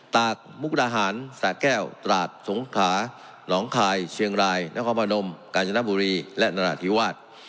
ตากมุกดาหารสะแก้วตราดสงขาน้องคายเชียงรายนครพนมกาญจนบุรีและนราธิวาส